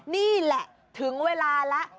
นี่แหละถึงเวลาแล้ว